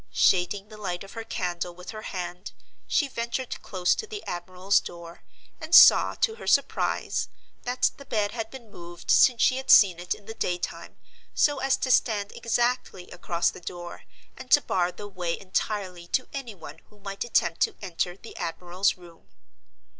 Shading the light of her candle with her hand, she ventured close to the admiral's door, and saw, to her surprise, that the bed had been moved since she had seen it in the day time, so as to stand exactly across the door, and to bar the way entirely to any one who might attempt to enter the admiral's room.